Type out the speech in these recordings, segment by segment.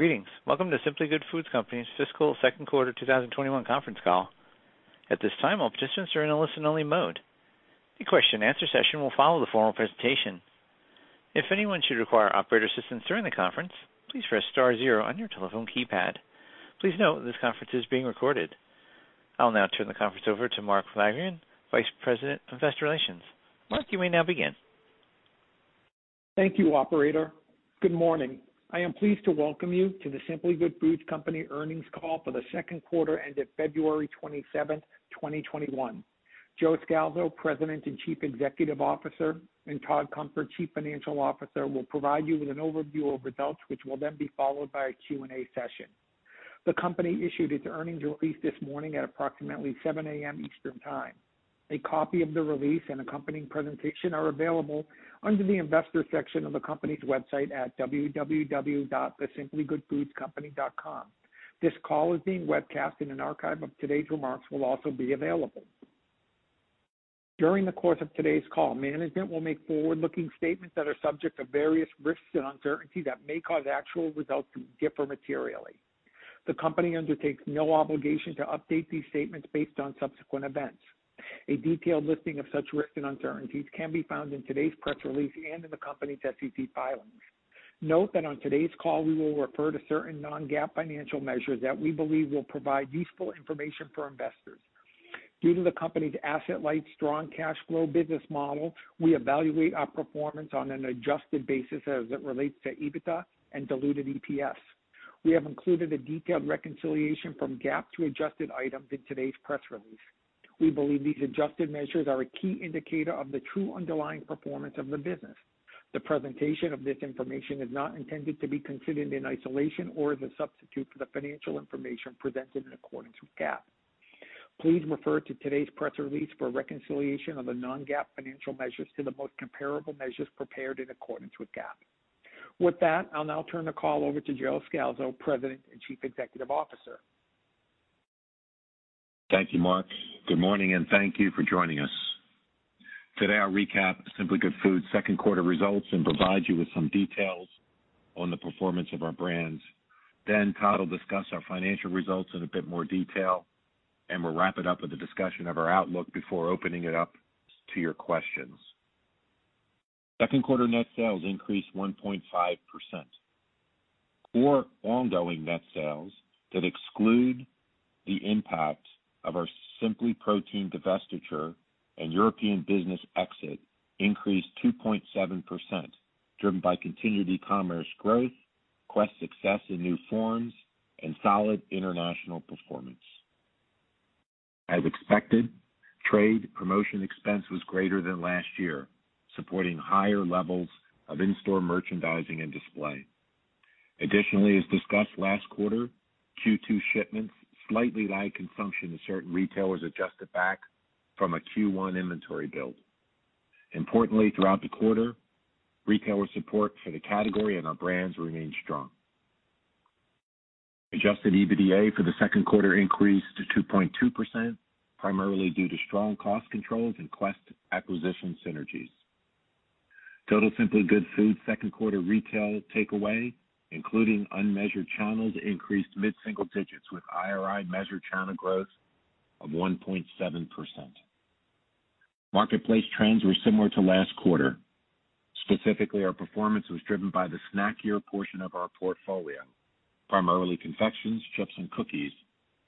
Greetings. Welcome to The Simply Good Foods Company's Fiscal Second Quarter 2021 conference call. At this time, all participants are in a listen-only mode. A question-answer session will follow the formal presentation. If anyone should require operator assistance during the conference, please press star zero on your telephone keypad. Please note, this conference is being recorded. I'll now turn the conference over to Mark Pogharian, Vice President of Investor Relations. Mark, you may now begin. Thank you, operator. Good morning. I am pleased to welcome you to The Simply Good Foods Company earnings call for the second quarter ended February 27th, 2021. Joe Scalzo, President and Chief Executive Officer, and Todd Cunfer, Chief Financial Officer, will provide you with an overview of results, which will then be followed by a Q&A session. The company issued its earnings release this morning at approximately 7:00 A.M. Eastern Time. A copy of the release and accompanying presentation are available under the investor section of the company's website at www.thesimplygoodfoodscompany.com. This call is being webcast, and an archive of today's remarks will also be available. During the course of today's call, management will make forward-looking statements that are subject to various risks and uncertainties that may cause actual results to differ materially. The company undertakes no obligation to update these statements based on subsequent events. A detailed listing of such risks and uncertainties can be found in today's press release and in the company's SEC filings. Note that on today's call, we will refer to certain non-GAAP financial measures that we believe will provide useful information for investors. Due to the company's asset-light strong cash flow business model, we evaluate our performance on an adjusted basis as it relates to EBITDA and diluted EPS. We have included a detailed reconciliation from GAAP to adjusted items in today's press release. We believe these adjusted measures are a key indicator of the true underlying performance of the business. The presentation of this information is not intended to be considered in isolation or as a substitute for the financial information presented in accordance with GAAP. Please refer to today's press release for a reconciliation of the non-GAAP financial measures to the most comparable measures prepared in accordance with GAAP. With that, I'll now turn the call over to Joe Scalzo, President and Chief Executive Officer. Thank you, Mark. Good morning, and thank you for joining us. Today, I'll recap Simply Good Foods' second quarter results and provide you with some details on the performance of our brands. Todd will discuss our financial results in a bit more detail, and we'll wrap it up with a discussion of our outlook before opening it up to your questions. Second quarter net sales increased 1.5%. Core ongoing net sales that exclude the impact of our SimplyProtein divestiture and European business exit increased 2.7%, driven by continued e-commerce growth, Quest success in new forms, and solid international performance. As expected, trade promotion expense was greater than last year, supporting higher levels of in-store merchandising and display. Additionally, as discussed last quarter, Q2 shipments slightly lag consumption as certain retailers adjusted back from a Q1 inventory build. Importantly, throughout the quarter, retailer support for the category and our brands remained strong. Adjusted EBITDA for the second quarter increased to 2.2%, primarily due to strong cost controls and Quest acquisition synergies. Total Simply Good Foods' second quarter retail takeaway, including unmeasured channels, increased mid-single digits, with IRI measured channel growth of 1.7%. Marketplace trends were similar to last quarter. Specifically, our performance was driven by the snackier portion of our portfolio, primarily confections, chips, and cookies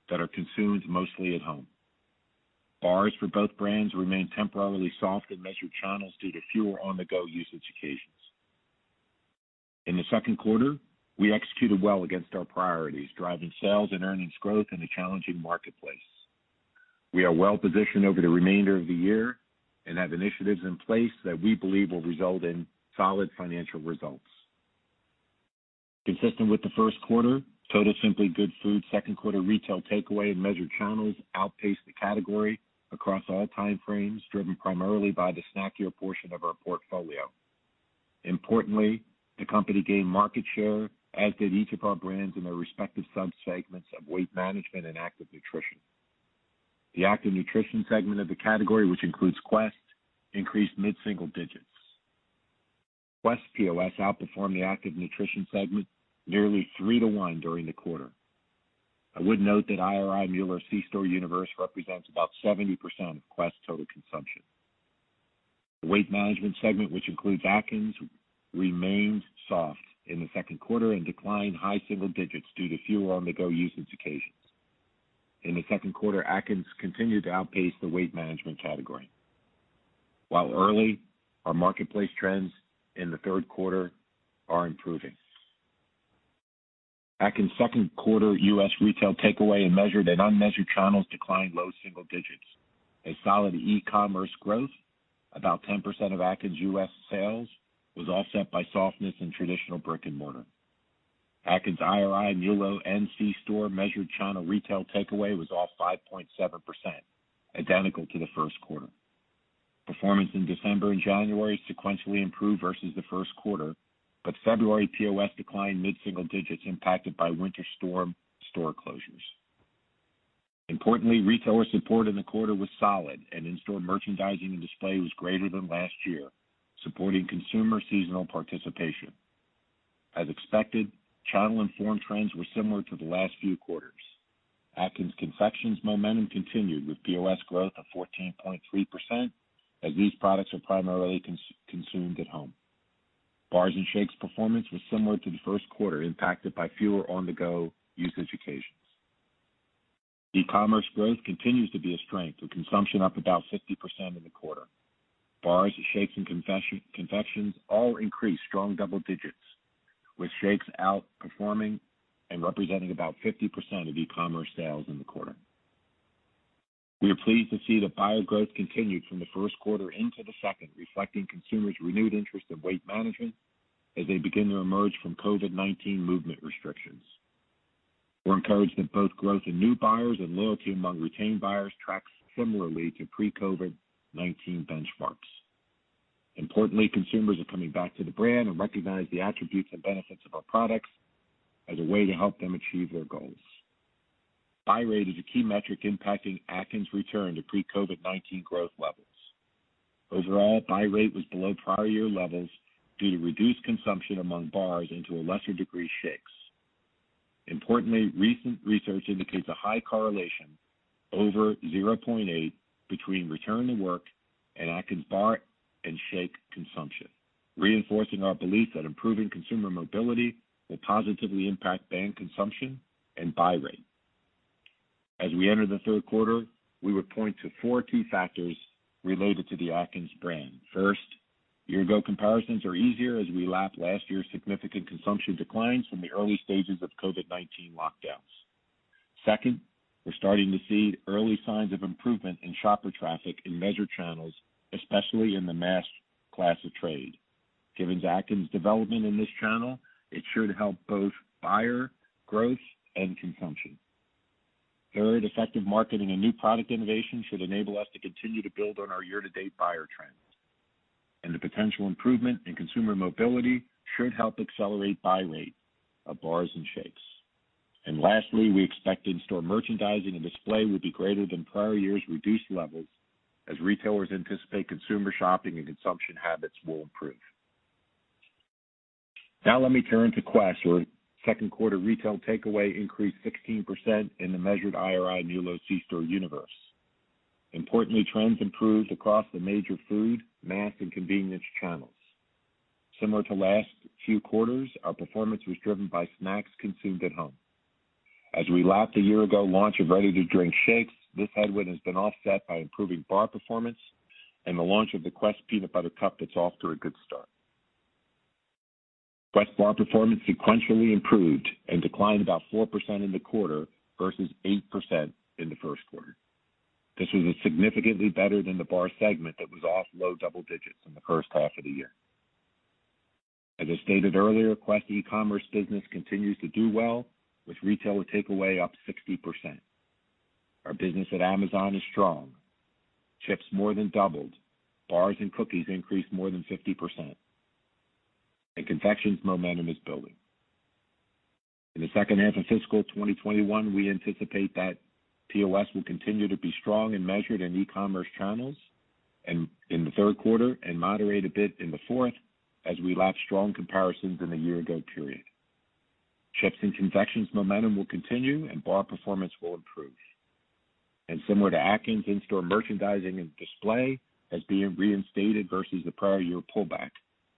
that are consumed mostly at home. Bars for both brands remain temporarily soft in measured channels due to fewer on-the-go usage occasions. In the second quarter, we executed well against our priorities, driving sales and earnings growth in a challenging marketplace. We are well positioned over the remainder of the year and have initiatives in place that we believe will result in solid financial results. Consistent with the first quarter, total Simply Good Foods' second quarter retail takeaway in measured channels outpaced the category across all time frames, driven primarily by the snackier portion of our portfolio. Importantly, the company gained market share, as did each of our brands in their respective subsegments of weight management and active nutrition. The active nutrition segment of the category, which includes Quest, increased mid-single digits. Quest POS outperformed the active nutrition segment nearly three to one during the quarter. I would note that IRI, MULO, C-store universe represents about 70% of Quest's total consumption. The weight management segment, which includes Atkins, remained soft in the second quarter and declined high single digits due to fewer on-the-go usage occasions. In the second quarter, Atkins continued to outpace the weight management category. While early, our marketplace trends in the third quarter are improving. Atkins' second quarter U.S. retail takeaway in measured and unmeasured channels declined low single digits. A solid e-commerce growth, about 10% of Atkins' U.S. sales, was offset by softness in traditional brick and mortar. Atkins IRI, MULO, and C-store measured channel retail takeaway was off 5.7%, identical to the first quarter. Performance in December and January sequentially improved versus the first quarter, but February POS declined mid-single digits, impacted by winter storm store closures. Importantly, retailer support in the quarter was solid, and in-store merchandising and display was greater than last year, supporting consumer seasonal participation. As expected, channel and form trends were similar to the last few quarters. Atkins Confections momentum continued with POS growth of 14.3%, as these products are primarily consumed at home. Bars and Shakes performance was similar to the first quarter, impacted by fewer on-the-go usage occasions. E-commerce growth continues to be a strength, with consumption up about 50% in the quarter. Bars, Shakes, and Confections all increased strong double digits, with Shakes outperforming and representing about 50% of e-commerce sales in the quarter. We are pleased to see that buyer growth continued from the first quarter into the second, reflecting consumers' renewed interest in weight management as they begin to emerge from COVID-19 movement restrictions. We're encouraged that both growth in new buyers and loyalty among retained buyers tracks similarly to pre-COVID-19 benchmarks. Importantly, consumers are coming back to the brand and recognize the attributes and benefits of our products as a way to help them achieve their goals. Buy rate is a key metric impacting Atkins' return to pre-COVID-19 growth levels. Overall, buy rate was below prior year levels due to reduced consumption among bars and to a lesser degree, shakes. Importantly, recent research indicates a high correlation over 0.8 between return to work and Atkins Bar and Shake consumption, reinforcing our belief that improving consumer mobility will positively impact brand consumption and buy rate. As we enter the third quarter, we would point to four key factors related to the Atkins brand. First, year-ago comparisons are easier as we lap last year's significant consumption declines from the early stages of COVID-19 lockdowns. Second, we're starting to see early signs of improvement in shopper traffic in measured channels, especially in the mass class of trade. Given Atkins' development in this channel, it should help both buyer growth and consumption. Third, effective marketing and new product innovation should enable us to continue to build on our year-to-date buyer trends. The potential improvement in consumer mobility should help accelerate buy rate of bars and shakes. Lastly, we expect in-store merchandising and display will be greater than prior year's reduced levels as retailers anticipate consumer shopping and consumption habits will improve. Now let me turn to Quest where second quarter retail takeaway increased 16% in the measured IRI MULO C-store universe. Importantly, trends improved across the major food, mass, and convenience channels. Similar to last few quarters, our performance was driven by snacks consumed at home. As we lap the year ago launch of ready-to-drink shakes, this headwind has been offset by improving bar performance and the launch of the Quest Peanut Butter Cups that's off to a good start. Quest bar performance sequentially improved and declined about 4% in the quarter versus 8% in the first quarter. This was significantly better than the bar segment that was off low double digits in the first half of the year. As I stated earlier, Quest e-commerce business continues to do well, with retailer takeaway up 60%. Our business at Amazon is strong. Chips more than doubled. Bars and cookies increased more than 50%. Confections momentum is building. In the second half of fiscal 2021, we anticipate that POS will continue to be strong and measured in e-commerce channels in the third quarter and moderate a bit in the fourth as we lap strong comparisons in the year ago period. Chips and confections momentum will continue and bar performance will improve. Similar to Atkins, in-store merchandising and display is being reinstated versus the prior year pullback,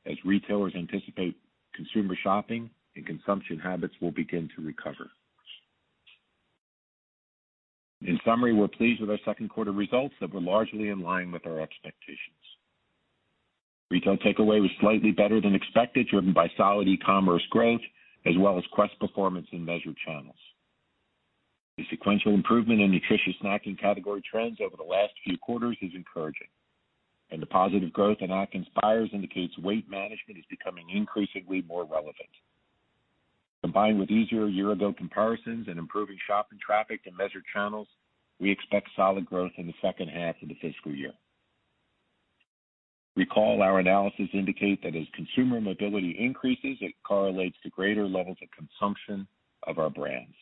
as retailers anticipate consumer shopping and consumption habits will begin to recover. In summary, we're pleased with our second quarter results that were largely in line with our expectations. Retail takeaway was slightly better than expected, driven by solid e-commerce growth as well as Quest performance in measured channels. The sequential improvement in nutritious snacking category trends over the last few quarters is encouraging, and the positive growth in Atkins buyers indicates weight management is becoming increasingly more relevant. Combined with easier year-over-year comparisons and improving shopping traffic in measured channels, we expect solid growth in the second half of the fiscal year. Recall our analysis indicate that as consumer mobility increases, it correlates to greater levels of consumption of our brands.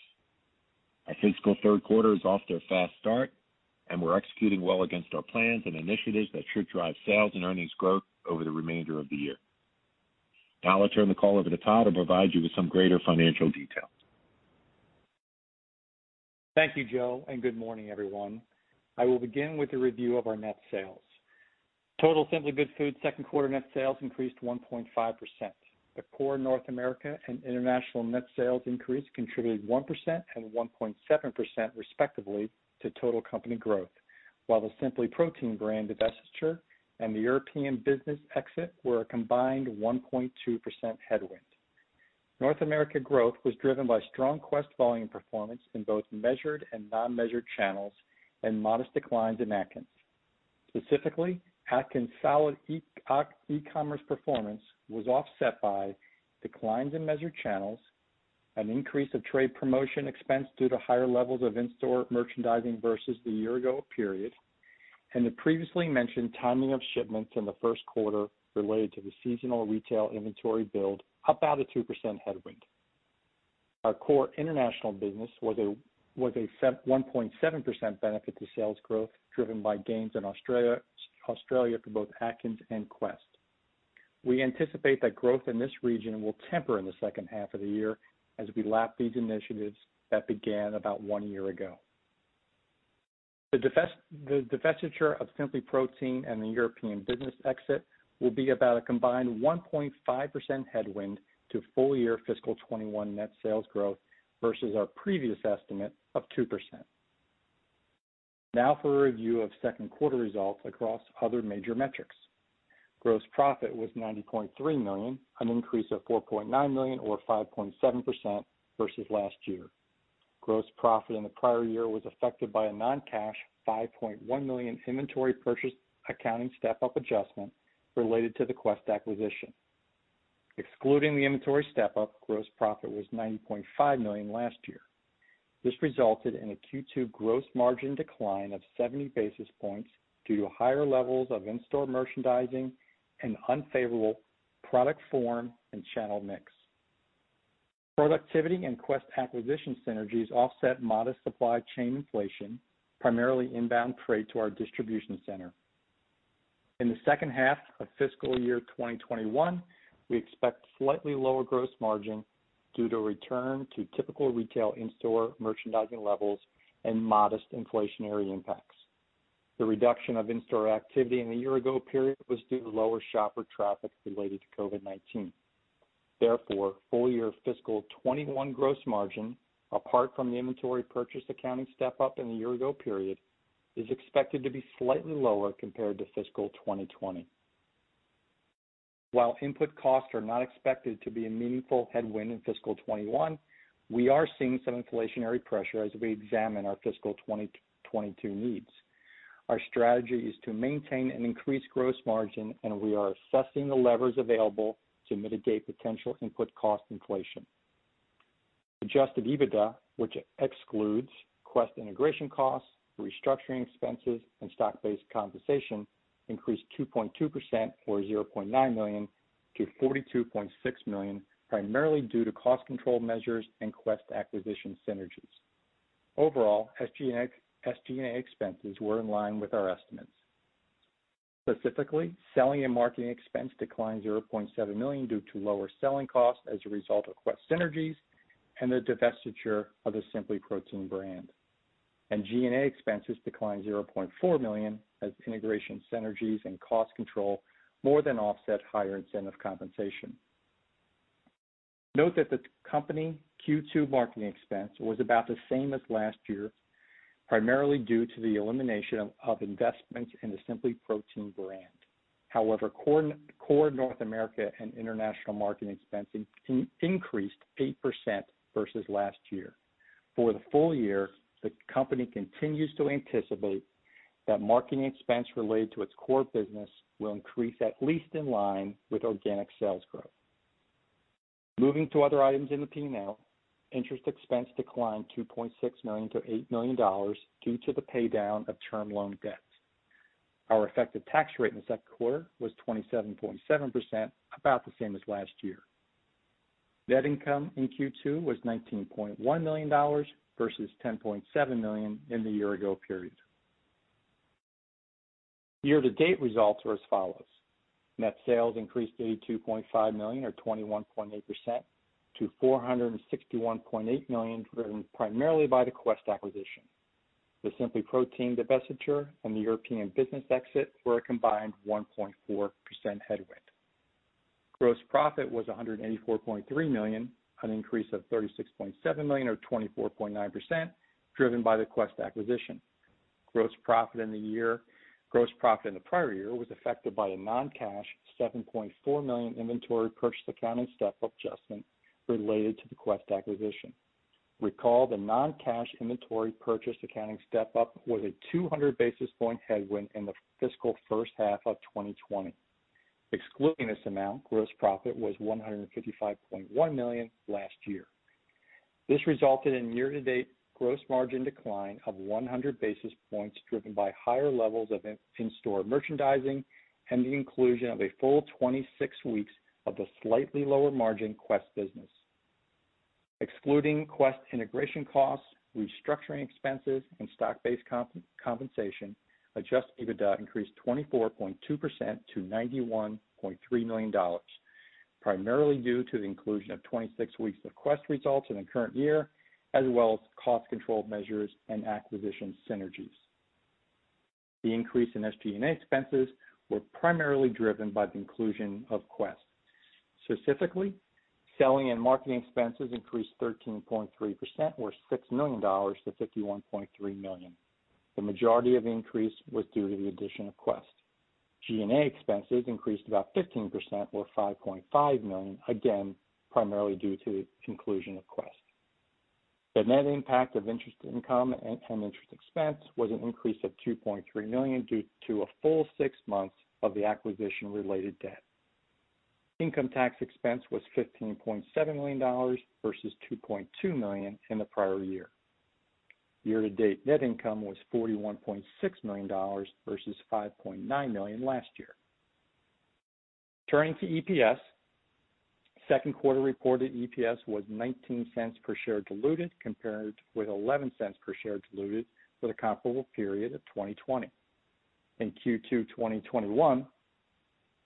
Our fiscal third quarter is off to a fast start, and we're executing well against our plans and initiatives that should drive sales and earnings growth over the remainder of the year. Now I'll turn the call over to Todd, who'll provide you with some greater financial details. Thank you, Joe, and good morning, everyone. I will begin with a review of our net sales. Total Simply Good Foods second quarter net sales increased 1.5%. The core North America and international net sales increase contributed 1% and 1.7% respectively to total company growth. While the SimplyProtein brand divestiture and the European business exit were a combined 1.2% headwind. North America growth was driven by strong Quest volume performance in both measured and non-measured channels and modest declines in Atkins. Specifically, Atkins' solid e-commerce performance was offset by declines in measured channels, an increase of trade promotion expense due to higher levels of in-store merchandising versus the year ago period and the previously mentioned timing of shipments in the first quarter related to the seasonal retail inventory build, about a 2% headwind. Our core international business was a 1.7% benefit to sales growth, driven by gains in Australia for both Atkins and Quest. We anticipate that growth in this region will temper in the second half of the year as we lap these initiatives that began about one year ago. The divestiture of SimplyProtein and the European business exit will be about a combined 1.5% headwind to full-year fiscal 2021 net sales growth versus our previous estimate of 2%. Now for a review of second quarter results across other major metrics. Gross profit was $90.3 million, an increase of $4.9 million or 5.7% versus last year. Gross profit in the prior year was affected by a non-cash $5.1 million inventory purchase accounting step-up adjustment related to the Quest acquisition. Excluding the inventory step-up, gross profit was $90.5 million last year. This resulted in a Q2 gross margin decline of 70 basis points due to higher levels of in-store merchandising and unfavorable product form and channel mix. Productivity and Quest acquisition synergies offset modest supply chain inflation, primarily inbound freight to our distribution center. In the second half of fiscal year 2021, we expect slightly lower gross margin due to a return to typical retail in-store merchandising levels and modest inflationary impacts. The reduction of in-store activity in the year-ago period was due to lower shopper traffic related to COVID-19. Therefore, full-year fiscal 2021 gross margin, apart from the inventory purchase accounting step-up in the year-ago period, is expected to be slightly lower compared to fiscal 2020. While input costs are not expected to be a meaningful headwind in fiscal 2021, we are seeing some inflationary pressure as we examine our fiscal 2022 needs. Our strategy is to maintain an increased gross margin, and we are assessing the levers available to mitigate potential input cost inflation. Adjusted EBITDA, which excludes Quest integration costs, restructuring expenses, and stock-based compensation, increased 2.2%, or $0.9 million to $42.6 million, primarily due to cost control measures and Quest acquisition synergies. Overall, SG&A expenses were in line with our estimates. Specifically, selling and marketing expense declined $0.7 million due to lower selling costs as a result of Quest synergies and the divestiture of the SimplyProtein brand. G&A expenses declined $0.4 million as integration synergies and cost control more than offset higher incentive compensation. Note that the company Q2 marketing expense was about the same as last year, primarily due to the elimination of investments in the SimplyProtein brand. However, core North America and international marketing expense increased 8% versus last year. For the full year, the company continues to anticipate that marketing expense related to its core business will increase at least in line with organic sales growth. Moving to other items in the P&L, interest expense declined $2.6 million to $8 million due to the paydown of term loan debts. Our effective tax rate in the second quarter was 27.7%, about the same as last year. Net income in Q2 was $19.1 million versus $10.7 million in the year-ago period. Year-to-date results are as follows. Net sales increased $82.5 million or 21.8% to $461.8 million, driven primarily by the Quest acquisition. The SimplyProtein divestiture and the European business exit were a combined 1.4% headwind. Gross profit was $184.3 million, an increase of $36.7 million or 24.9%, driven by the Quest acquisition. Gross profit in the prior year was affected by a non-cash $7.4 million inventory purchase accounting step-up adjustment related to the Quest acquisition. Recall the non-cash inventory purchase accounting step-up was a 200-basis-point headwind in the fiscal first half of 2020. Excluding this amount, gross profit was $155.1 million last year. This resulted in year-to-date gross margin decline of 100 basis points, driven by higher levels of in-store merchandising and the inclusion of a full 26 weeks of the slightly lower margin Quest business. Excluding Quest integration costs, restructuring expenses, and stock-based compensation, adjusted EBITDA increased 24.2% to $91.3 million, primarily due to the inclusion of 26 weeks of Quest results in the current year, as well as cost control measures and acquisition synergies. The increase in SG&A expenses were primarily driven by the inclusion of Quest. Specifically, selling and marketing expenses increased 13.3%, or $6 million to $51.3 million. The majority of the increase was due to the addition of Quest. G&A expenses increased about 15%, or $5.5 million, again, primarily due to the inclusion of Quest. The net impact of interest income and interest expense was an increase of $2.3 million due to a full six months of the acquisition-related debt. Income tax expense was $15.7 million versus $2.2 million in the prior year. Year-to-date net income was $41.6 million versus $5.9 million last year. Turning to EPS, second quarter reported EPS was $0.19 per share diluted, compared with $0.11 per share diluted for the comparable period of 2020. In Q2 2021,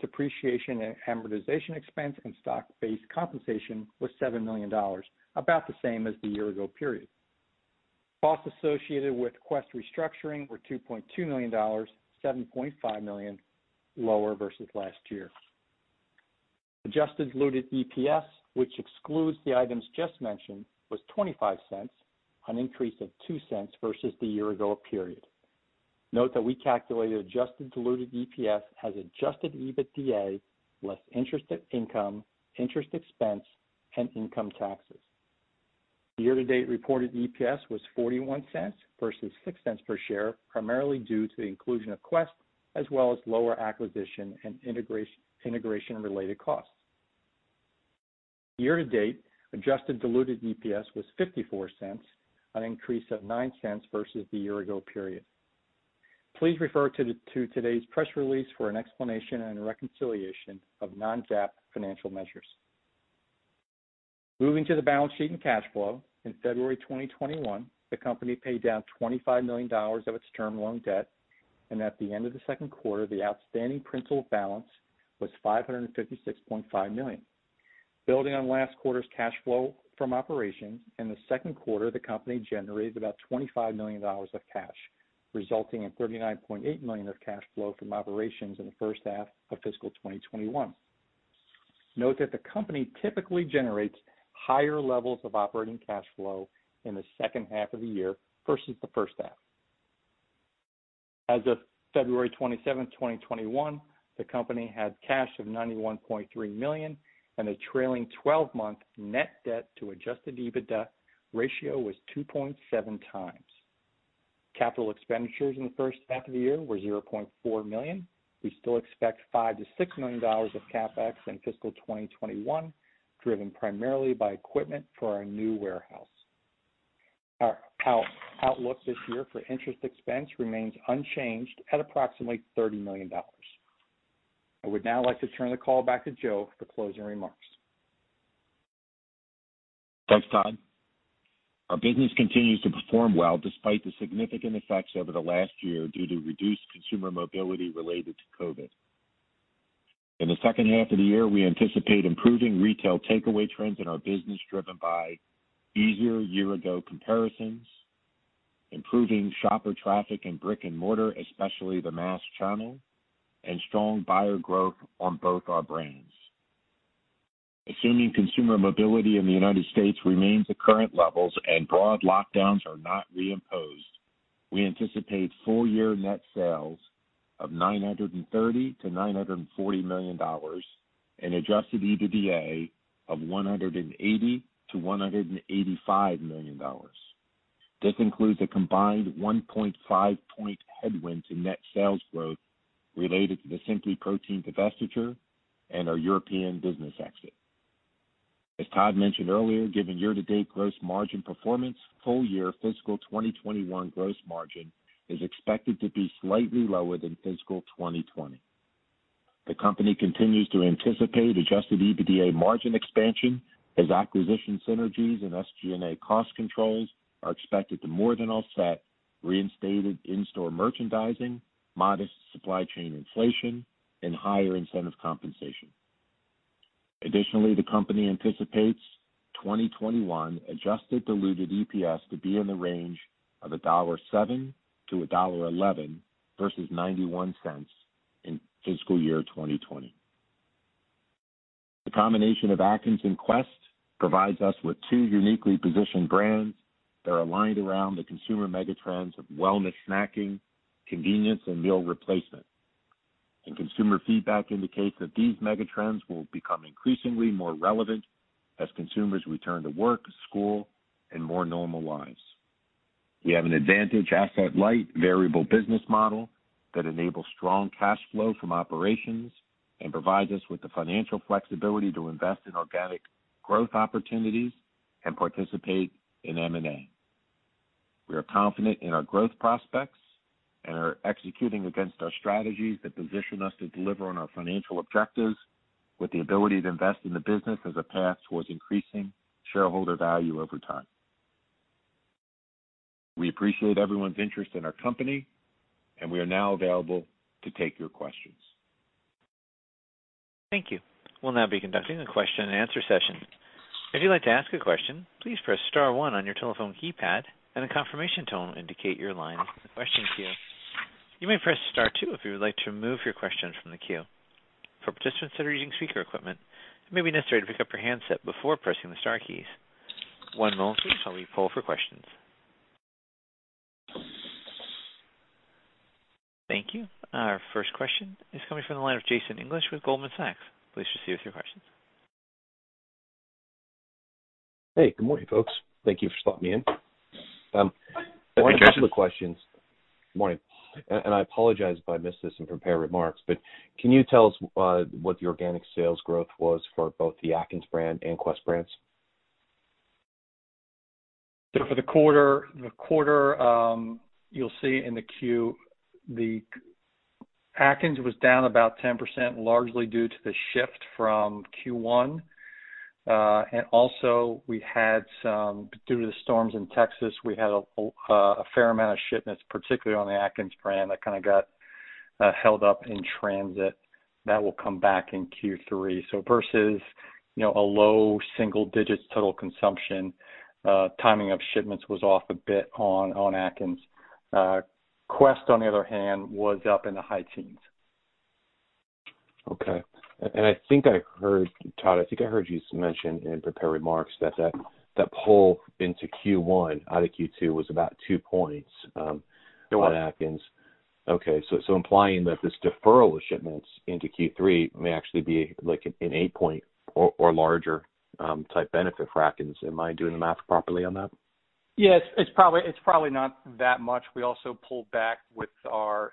depreciation and amortization expense and stock-based compensation was $7 million, about the same as the year ago period. Costs associated with Quest restructuring were $2.2 million, $7.5 million lower versus last year. Adjusted diluted EPS, which excludes the items just mentioned, was $0.25, an increase of $0.02 versus the year-ago period. Note that we calculated adjusted diluted EPS as adjusted EBITDA less interest income, interest expense, and income taxes. Year-to-date reported EPS was $0.41 versus $0.06 per share, primarily due to the inclusion of Quest, as well as lower acquisition and integration-related costs. Year-to-date adjusted diluted EPS was $0.54, an increase of $0.09 versus the year-ago period. Please refer to today's press release for an explanation and a reconciliation of non-GAAP financial measures. Moving to the balance sheet and cash flow. In February 2021, the company paid down $25 million of its term loan debt, and at the end of the second quarter, the outstanding principal balance was $556.5 million. Building on last quarter's cash flow from operations, in the second quarter, the company generated about $25 million of cash, resulting in $39.8 million of cash flow from operations in the first half of fiscal 2021. Note that the company typically generates higher levels of operating cash flow in the second half of the year versus the first half. As of February 27, 2021, the company had cash of $91.3 million, and a trailing 12-month net debt to adjusted EBITDA ratio was 2.7x. Capital expenditures in the first half of the year were $0.4 million. We still expect $5 million-$6 million of CapEx in fiscal 2021, driven primarily by equipment for our new warehouse. Our outlook this year for interest expense remains unchanged at approximately $30 million. I would now like to turn the call back to Joe for closing remarks. Thanks, Todd. Our business continues to perform well despite the significant effects over the last year due to reduced consumer mobility related to COVID. In the second half of the year, we anticipate improving retail takeaway trends in our business driven by easier year-ago comparisons, improving shopper traffic in brick and mortar, especially the mass channel, and strong buyer growth on both our brands. Assuming consumer mobility in the United States remains at current levels and broad lockdowns are not reimposed, we anticipate full-year net sales of $930 million-$940 million and adjusted EBITDA of $180 million-$185 million. This includes a combined 1.5-point headwind to net sales growth related to the SimplyProtein divestiture and our European business exit. As Todd mentioned earlier, given year-to-date gross margin performance, full-year fiscal 2021 gross margin is expected to be slightly lower than fiscal 2020. The company continues to anticipate adjusted EBITDA margin expansion as acquisition synergies and SG&A cost controls are expected to more than offset reinstated in-store merchandising, modest supply chain inflation, and higher incentive compensation. Additionally, the company anticipates 2021 adjusted diluted EPS to be in the range of $1.07 to $1.11 versus $0.91 in fiscal year 2020. The combination of Atkins and Quest provides us with two uniquely positioned brands that are aligned around the consumer megatrends of wellness snacking, convenience, and meal replacement. Consumer feedback indicates that these megatrends will become increasingly more relevant as consumers return to work, school, and more normal lives. We have an advantage asset-light variable business model that enables strong cash flow from operations and provides us with the financial flexibility to invest in organic growth opportunities and participate in M&A. We are confident in our growth prospects and are executing against our strategies that position us to deliver on our financial objectives with the ability to invest in the business as a path towards increasing shareholder value over time. We appreciate everyone's interest in our company. We are now available to take your questions. Thank you. We'll now be conducting a question-and-answer session. If you'd like to ask a question, please press star one on your telephone keypad and a confirmation tone will indicate your line and question queue. You may press star two if you would like to remove your question from the queue. For participants that are using speaker equipment, it maybe necessary to pick up your handset before pressing the star keys. One moment please while we poll for questions. Thank you. Our first question is coming from the line of Jason English with Goldman Sachs. Please proceed with your question Hey, good morning, folks. Thank you for letting me in. Good morning, Jason. A couple of questions. Good morning. I apologize if I missed this in prepared remarks, but can you tell us what the organic sales growth was for both the Atkins brand and Quest brands? For the quarter, you'll see in the Q, the Atkins was down 10%, largely due to the shift from Q1. Also, due to the storms in Texas, we had a fair amount of shipments, particularly on the Atkins brand, that kind of got held up in transit. That will come back in Q3. Versus a low single digits total consumption, timing of shipments was off a bit on Atkins. Quest, on the other hand, was up in the high teens. Okay. Todd, I think I heard you mention in prepared remarks that that pull into Q1 out of Q2 was about two points? It was on Atkins. Okay. Implying that this deferral of shipments into Q3 may actually be like an 8-point or larger type benefit for Atkins. Am I doing the math properly on that? Yeah, it's probably not that much. We also pulled back with our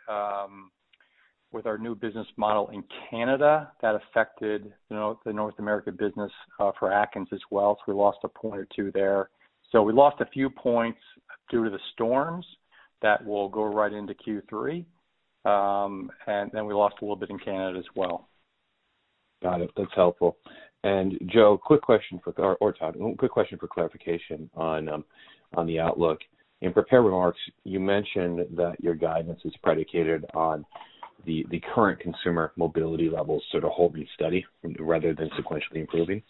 new business model in Canada. That affected the North American business for Atkins as well, so we lost a point or two there. We lost a few points due to the storms that will go right into Q3. We lost a little bit in Canada as well. Got it. That's helpful. Todd, quick question for clarification on the outlook. In prepared remarks, you mentioned that your guidance is predicated on the current consumer mobility levels sort of holding steady rather than sequentially improving.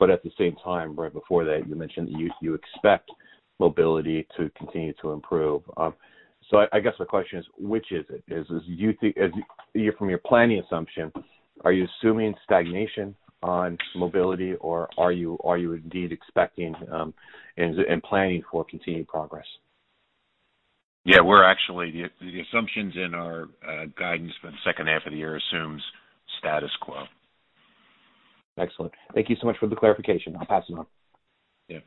At the same time, right before that, you mentioned you expect mobility to continue to improve. I guess my question is, which is it? From your planning assumption, are you assuming stagnation on mobility, or are you indeed expecting, and planning for continued progress? Yeah. The assumptions in our guidance for the second half of the year assumes status quo. Excellent. Thank you so much for the clarification. I'll pass it on. Yeah.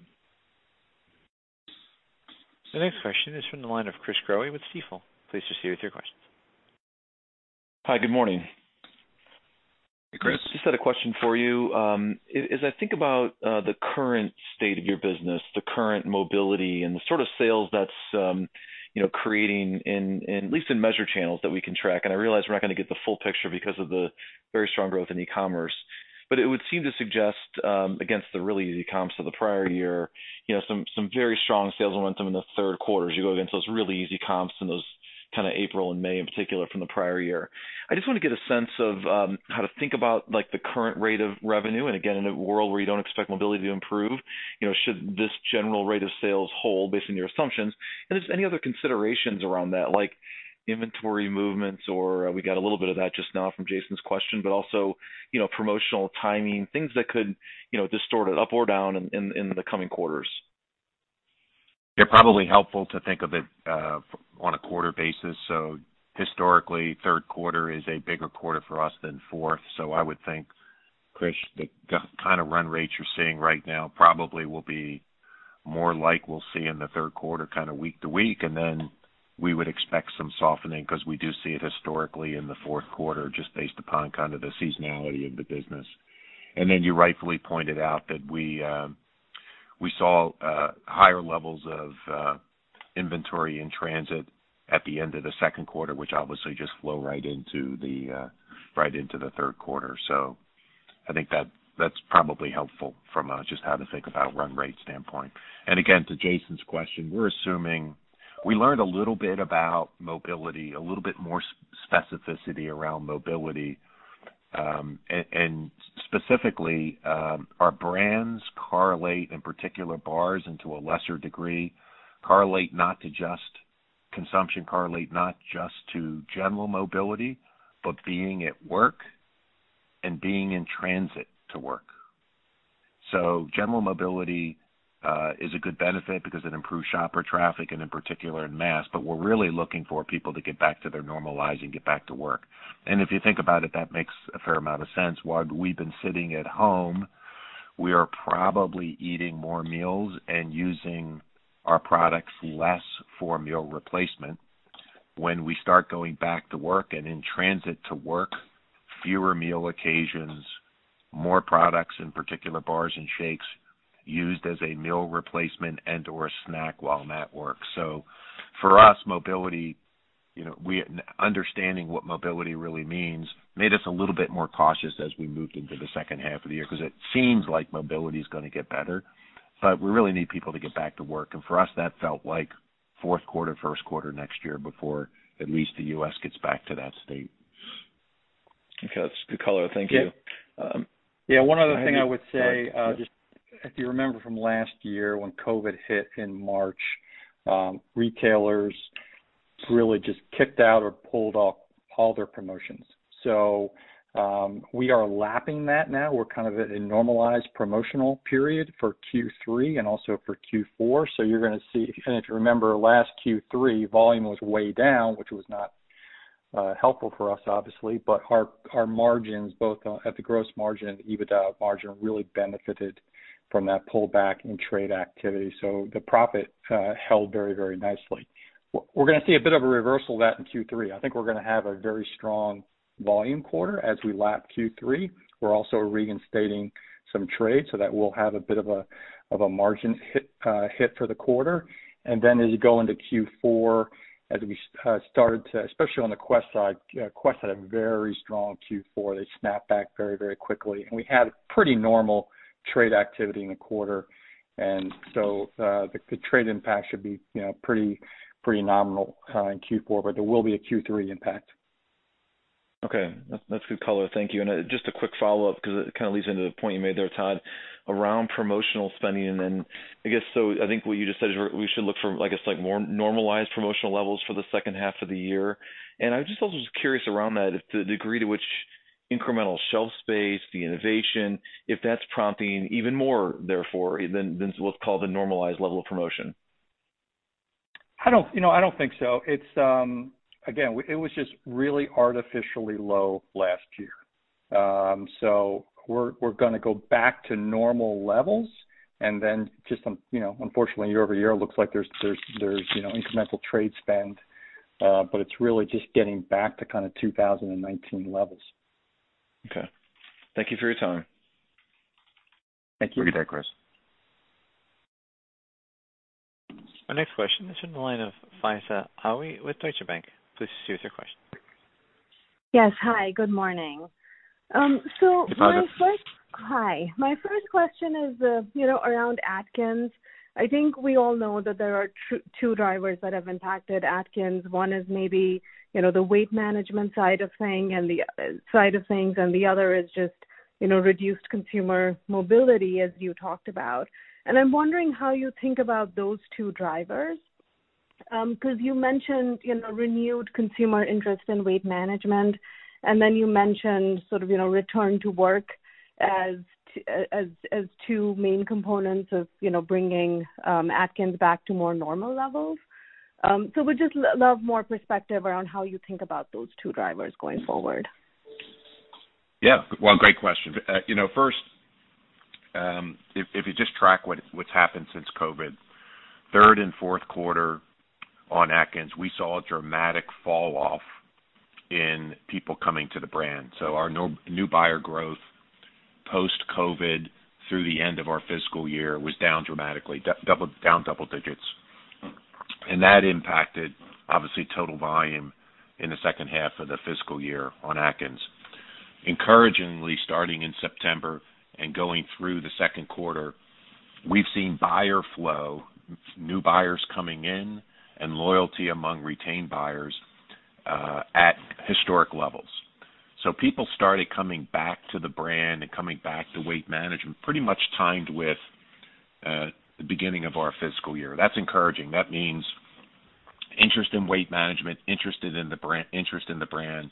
The next question is from the line of Chris Growe with Stifel. Please proceed with your questions. Hi, good morning. Hey, Chris. Just had a question for you. As I think about the current state of your business, the current mobility, and the sort of sales that's creating, at least in measure channels that we can track, and I realize we're not gonna get the full picture because of the very strong growth in e-commerce. It would seem to suggest, against the really easy comps of the prior year, some very strong sales momentum in the third quarter as you go against those really easy comps and those kind of April and May in particular from the prior year. I just want to get a sense of how to think about the current rate of revenue, and again, in a world where you don't expect mobility to improve. Should this general rate of sales hold based on your assumptions? If there's any other considerations around that, like inventory movements or we got a little bit of that just now from Jason's question, but also promotional timing, things that could distort it up or down in the coming quarters. It's probably helpful to think of it on a quarter basis. Historically, third quarter is a bigger quarter for us than fourth. I would think, Chris, the kind of run rates you're seeing right now probably will be more like we'll see in the third quarter kind of week to week, and then we would expect some softening because we do see it historically in the fourth quarter, just based upon kind of the seasonality of the business. Then you rightfully pointed out that we saw higher levels of inventory in transit at the end of the second quarter, which obviously just flow right into the third quarter. I think that's probably helpful from just how to think about run rate standpoint. Again, to Jason's question, we learned a little bit about mobility, a little bit more specificity around mobility. Specifically, our brands correlate, in particular bars, to a lesser degree, correlate not to just consumption, correlate not just to general mobility, but being at work and being in transit to work. General mobility is a good benefit because it improves shopper traffic, and in particular, in mass. We're really looking for people to get back to their normal lives and get back to work. If you think about it, that makes a fair amount of sense. While we've been sitting at home, we are probably eating more meals and using our products less for meal replacement. When we start going back to work and in transit to work, fewer meal occasions, more products, in particular, bars and shakes, used as a meal replacement and/or snack while at work. For us, understanding what mobility really means made us a little bit more cautious as we moved into the second half of the year, because it seems like mobility is gonna get better, but we really need people to get back to work. For us, that felt like fourth quarter, first quarter next year before at least the U.S. gets back to that state. Okay, that's good color. Thank you. Yeah. One other thing I would say, if you remember from last year when COVID hit in March, retailers really just kicked out or pulled off all their promotions. We are lapping that now. We're kind of at a normalized promotional period for Q3 and also for Q4. You're gonna see, and if you remember last Q3, volume was way down, which was not helpful for us, obviously. Our margins, both at the gross margin and EBITDA margin, really benefited from that pullback in trade activity. The profit held very, very nicely. We're going to see a bit of a reversal of that in Q3. I think we're going to have a very strong volume quarter as we lap Q3. We're also reinstating some trade, so that will have a bit of a margin hit for the quarter. As you go into Q4, especially on the Quest side, Quest had a very strong Q4. They snapped back very quickly. We had pretty normal trade activity in the quarter. The trade impact should be pretty nominal in Q4, but there will be a Q3 impact. Okay. That's good color. Thank you. Just a quick follow-up, because it kind of leads into the point you made there, Todd, around promotional spending, and then I guess, so I think what you just said is we should look for, I guess, more normalized promotional levels for the second half of the year. I just also was curious around that, if the degree to which incremental shelf space, the innovation, if that's prompting even more therefore than what's called the normalized level of promotion. I don't think so. Again, it was just really artificially low last year. We're going to go back to normal levels and then just, unfortunately, year-over-year, looks like there's incremental trade spend, but it's really just getting back to kind of 2019 levels. Okay. Thank you for your time. Thank you. Thank you, Todd. Chris. Our next question is in the line of Faiza Alwy with Deutsche Bank. Please proceed with your question. Yes. Hi, good morning. Hi there. Hi. My first question is around Atkins. I think we all know that there are two drivers that have impacted Atkins. One is maybe the weight management side of things, and the other is just reduced consumer mobility, as you talked about. I'm wondering how you think about those two drivers, because you mentioned renewed consumer interest in weight management, and then you mentioned sort of return to work as two main components of bringing Atkins back to more normal levels. Would just love more perspective around how you think about those two drivers going forward. Yeah. Well, great question. First, if you just track what's happened since COVID-19, third and fourth quarter on Atkins, we saw a dramatic fall off in people coming to the brand. Our new buyer growth post-COVID-19 through the end of our fiscal year was down dramatically, down double digits. That impacted, obviously, total volume in the second half of the fiscal year on Atkins. Encouragingly, starting in September and going through the second quarter, we've seen buyer flow, new buyers coming in, and loyalty among retained buyers, at historic levels. People started coming back to the brand and coming back to weight management pretty much timed with the beginning of our fiscal year. That's encouraging. That means interest in weight management, interest in the brand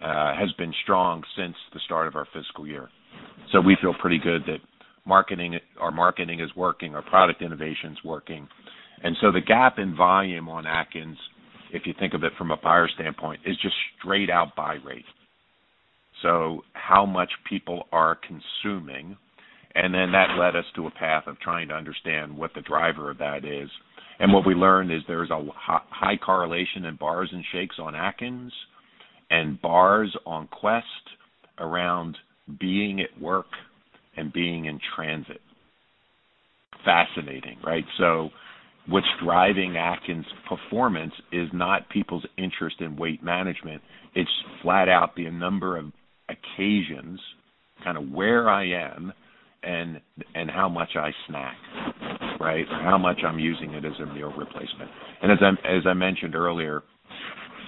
has been strong since the start of our fiscal year. We feel pretty good that our marketing is working, our product innovation's working. The gap in volume on Atkins, if you think of it from a buyer standpoint, is just straight out buy rate. How much people are consuming. That led us to a path of trying to understand what the driver of that is. What we learned is there's a high correlation in bars and shakes on Atkins and bars on Quest around being at work and being in transit. Fascinating, right. What's driving Atkins' performance is not people's interest in weight management. It's flat out the number of occasions, kind of where I am and how much I snack. Right. How much I'm using it as a meal replacement. As I mentioned earlier,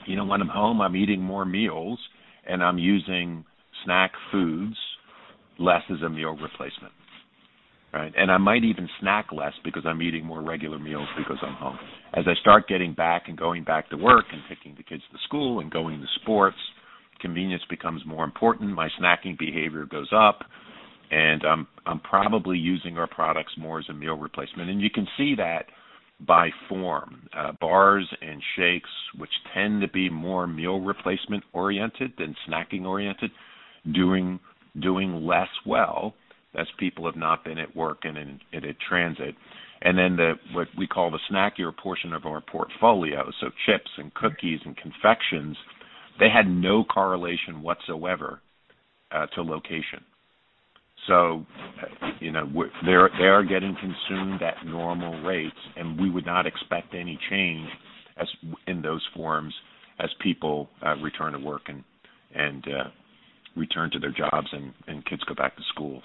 when I'm home, I'm eating more meals and I'm using snack foods less as a meal replacement. Right? I might even snack less because I'm eating more regular meals because I'm home. As I start getting back and going back to work and taking the kids to school and going to sports, convenience becomes more important. My snacking behavior goes up, and I'm probably using our products more as a meal replacement. You can see that by form. Bars and shakes, which tend to be more meal replacement oriented than snacking oriented, doing less well as people have not been at work and in transit. What we call the snackier portion of our portfolio, so chips and cookies and confections, they had no correlation whatsoever to location. They are getting consumed at normal rates, and we would not expect any change in those forms as people return to work and return to their jobs and kids go back to school.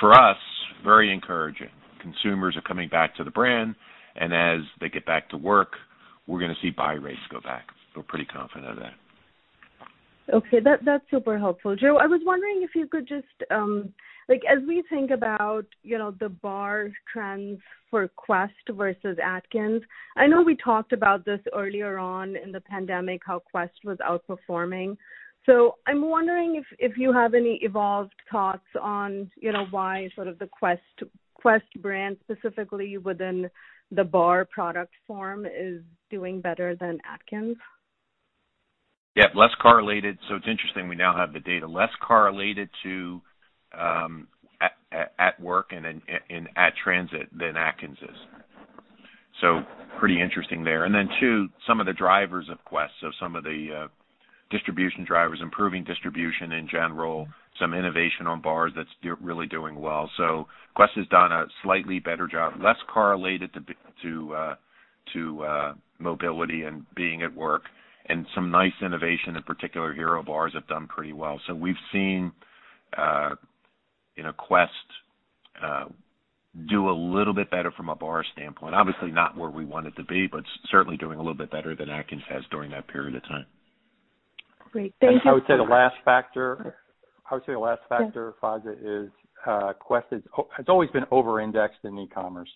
For us, very encouraging. Consumers are coming back to the brand, and as they get back to work, we're going to see buy rates go back. We're pretty confident of that. Okay. That's super helpful. Joe, I was wondering if you could as we think about the bar trends for Quest versus Atkins, I know we talked about this earlier on in the pandemic, how Quest was outperforming. I'm wondering if you have any evolved thoughts on why sort of the Quest brand, specifically within the bar product form, is doing better than Atkins? Less correlated. It's interesting, we now have the data less correlated to at work and at transit than Atkins is. Pretty interesting there. Two, some of the drivers of Quest, some of the distribution drivers, improving distribution in general, some innovation on bars that's really doing well. Quest has done a slightly better job, less correlated to mobility and being at work, and some nice innovation. In particular, Hero Bars have done pretty well. We've seen Quest do a little bit better from a bar standpoint. Obviously not where we want it to be, but certainly doing a little bit better than Atkins has during that period of time. Great. Thank you so much. I would say the last factor, Faiza, is Quest has always been over-indexed in e-commerce,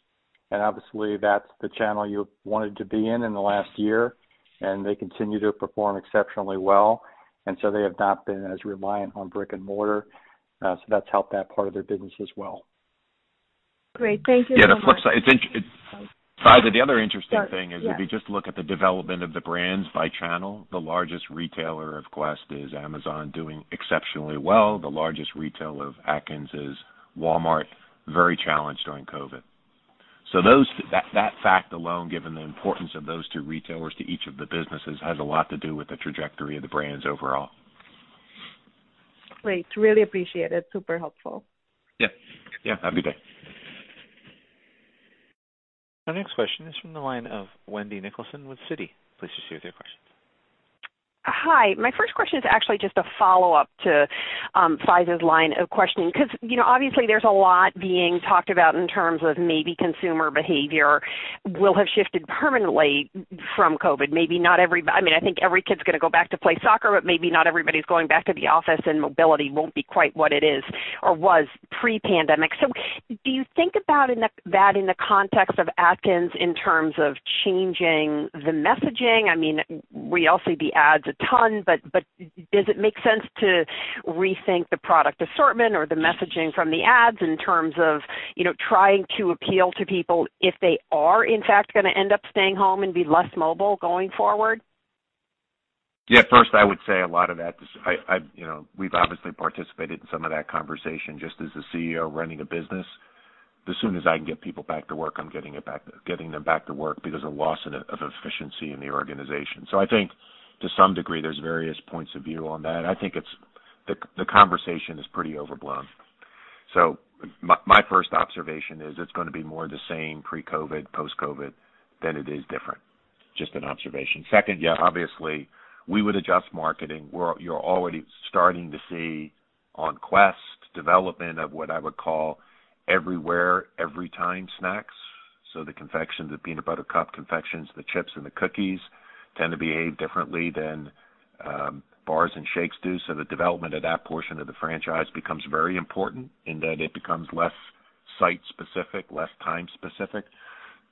and obviously, that's the channel you wanted to be in in the last year, and they continue to perform exceptionally well. They have not been as reliant on brick and mortar, so that's helped that part of their business as well. Great. Thank you so much. Yeah, Faiza, the other interesting thing is if you just look at the development of the brands by channel, the largest retailer of Quest is Amazon, doing exceptionally well. The largest retailer of Atkins is Walmart, very challenged during COVID. That fact alone, given the importance of those two retailers to each of the businesses, has a lot to do with the trajectory of the brands overall. Great. Really appreciate it. Super helpful. Yeah. Have a good day. Our next question is from the line of Wendy Nicholson with Citi. Please proceed with your questions. Hi. My first question is actually just a follow-up to Faiza's line of questioning, because obviously there's a lot being talked about in terms of maybe consumer behavior will have shifted permanently from COVID. Maybe not everybody. I think every kid is going back to play soccer. Maybe not everybody's going back to the office, and mobility won't be quite what it is or was pre-pandemic. Do you think about that in the context of Atkins in terms of changing the messaging? We all see the ads a ton, does it make sense to rethink the product assortment or the messaging from the ads in terms of trying to appeal to people if they are, in fact, going to end up staying home and be less mobile going forward? First, I would say a lot of that, we've obviously participated in some of that conversation. Just as a CEO running a business, as soon as I can get people back to work, I'm getting them back to work because of loss of efficiency in the organization. I think to some degree, there's various points of view on that. I think the conversation is pretty overblown. My first observation is it's going to be more the same pre-COVID-19, post-COVID-19 than it is different. Just an observation. Second, obviously, we would adjust marketing. You're already starting to see on Quest, development of what I would call everywhere, every time snacks. The confection, the Peanut Butter Cup confections, the chips, and the cookies tend to behave differently than bars and shakes do. The development of that portion of the franchise becomes very important in that it becomes less site-specific, less time-specific.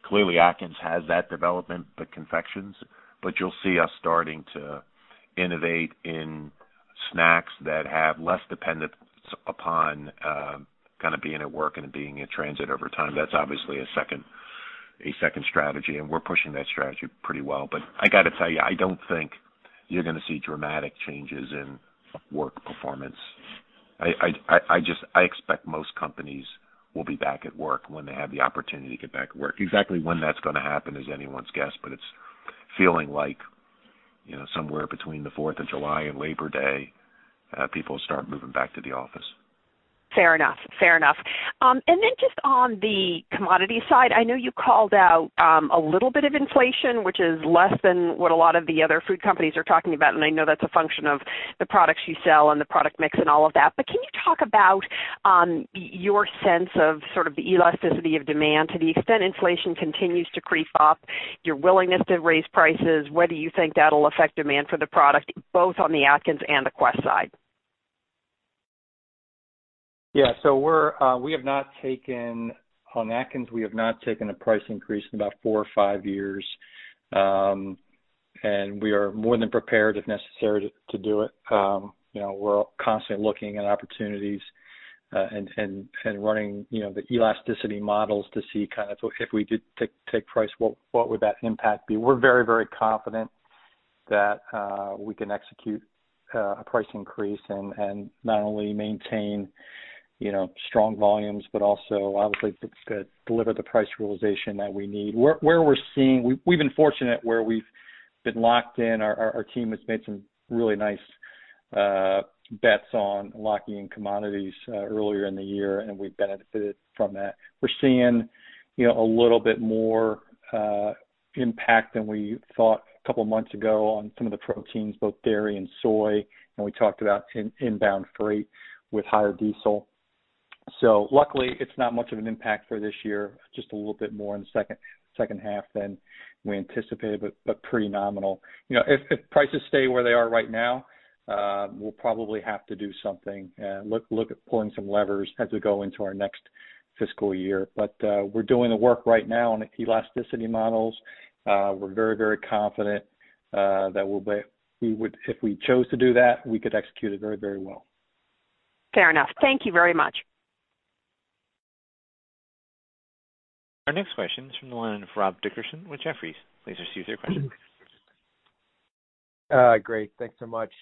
Clearly, Atkins has that development, the confections. You'll see us starting to innovate in snacks that have less dependence upon kind of being at work and being in transit over time. That's obviously a second strategy, and we're pushing that strategy pretty well. I got to tell you, I don't think you're going to see dramatic changes in work performance. I expect most companies will be back at work when they have the opportunity to get back to work. Exactly when that's going to happen is anyone's guess, but it's feeling like somewhere between the 4th of July and Labor Day, people start moving back to the office. Fair enough. Then just on the commodity side, I know you called out a little bit of inflation, which is less than what a lot of the other food companies are talking about, and I know that's a function of the products you sell and the product mix and all of that. Can you talk about your sense of sort of the elasticity of demand to the extent inflation continues to creep up, your willingness to raise prices? Whether you think that'll affect demand for the product, both on the Atkins and the Quest side. Yeah. On Atkins, we have not taken a price increase in about four or five years. We are more than prepared, if necessary, to do it. We're constantly looking at opportunities and running the elasticity models to see kind of if we did take price, what would that impact be. We're very confident that we can execute a price increase and not only maintain strong volumes, but also obviously deliver the price realization that we need. We've been fortunate where we've been locked in. Our team has made some really nice bets on locking in commodities earlier in the year, and we've benefited from that. We're seeing a little bit more impact than we thought a couple of months ago on some of the proteins, both dairy and soy, and we talked about inbound freight with higher diesel. Luckily, it's not much of an impact for this year, just a little bit more in the second half than we anticipated, but pretty nominal. If prices stay where they are right now, we'll probably have to do something and look at pulling some levers as we go into our next fiscal year. We're doing the work right now on elasticity models. We're very confident that if we chose to do that, we could execute it very well. Fair enough. Thank you very much. Our next question is from the line of Rob Dickerson with Jefferies. Please proceed with your question. Great. Thanks so much.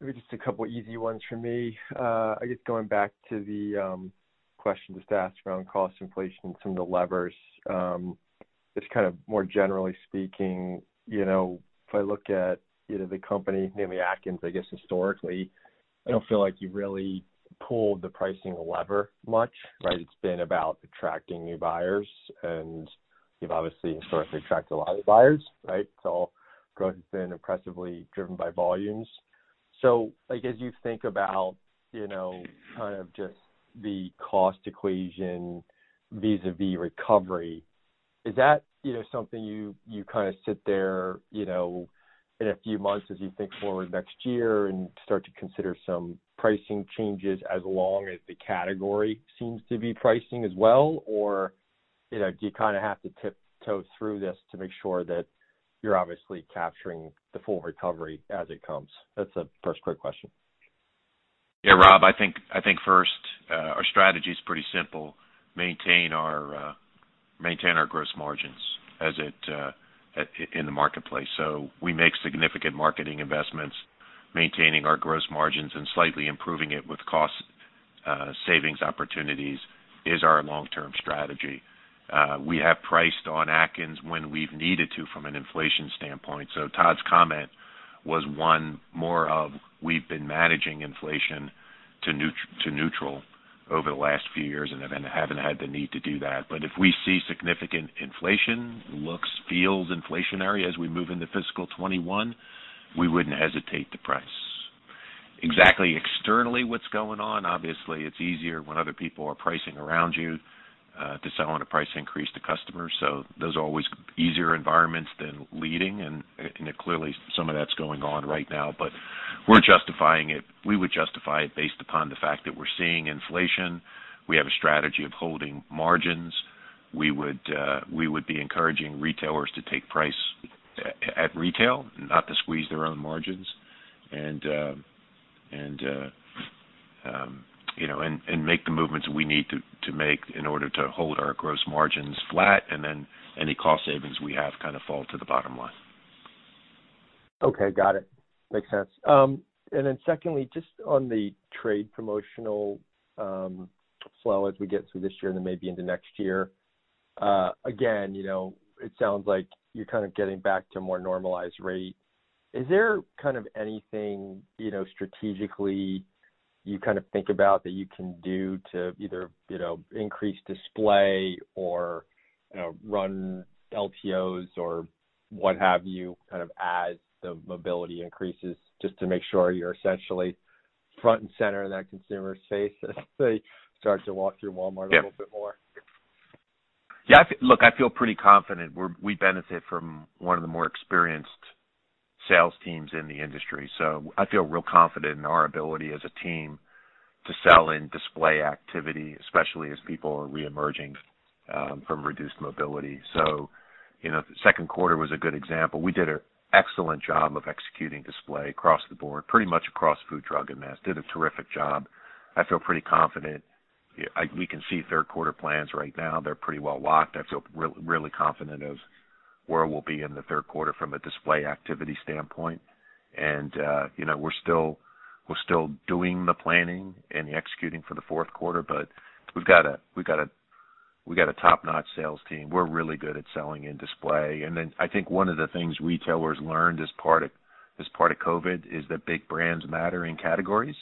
Maybe just a couple easy ones from me. I guess going back to the question just asked around cost inflation and some of the levers. Just kind of more generally speaking, if I look at the company, namely Atkins, I guess historically, I don't feel like you've really pulled the pricing lever much, right? It's been about attracting new buyers, and you've obviously historically attracted a lot of buyers, right? Growth has been impressively driven by volumes. As you think about kind of just the cost equation vis-a-vis recovery, is that something you kind of sit there in a few months as you think forward next year and start to consider some pricing changes as long as the category seems to be pricing as well, or do you kind of have to tiptoe through this to make sure that you're obviously capturing the full recovery as it comes? That's the first quick question. Yeah, Rob, I think first, our strategy's pretty simple. Maintain our gross margins in the marketplace. We make significant marketing investments, maintaining our gross margins and slightly improving it with cost savings opportunities is our long-term strategy. We have priced on Atkins when we've needed to from an inflation standpoint. Todd's comment was one more of we've been managing inflation to neutral over the last few years and haven't had the need to do that. If we see significant inflation, looks, feels inflationary as we move into fiscal 2021, we wouldn't hesitate to price. Exactly externally what's going on, obviously, it's easier when other people are pricing around you to sell on a price increase to customers. Those are always easier environments than leading, and clearly, some of that's going on right now. We would justify it based upon the fact that we're seeing inflation. We have a strategy of holding margins. We would be encouraging retailers to take price at retail, not to squeeze their own margins, and make the movements we need to make in order to hold our gross margins flat, and then any cost savings we have kind of fall to the bottom line. Okay. Got it. Makes sense. Secondly, just on the trade promotional flow as we get through this year and then maybe into next year. It sounds like you're kind of getting back to a more normalized rate. Is there kind of anything strategically you kind of think about that you can do to either increase display or run LTOs or what have you, kind of as the mobility increases, just to make sure you're essentially front and center in that consumer's face as they start to walk through Walmart a little bit more? Yeah. Look, I feel pretty confident. We benefit from one of the more experienced sales teams in the industry. I feel real confident in our ability as a team to sell in display activity, especially as people are re-emerging from reduced mobility. The second quarter was a good example. We did an excellent job of executing display across the board, pretty much across food, drug, and mass. Did a terrific job. I feel pretty confident. We can see third quarter plans right now. They're pretty well locked. I feel really confident of where we'll be in the third quarter from a display activity standpoint. We're still doing the planning and the executing for the fourth quarter. We've got a top-notch sales team. We're really good at selling in display. Then I think one of the things retailers learned as part of COVID is that big brands matter in categories.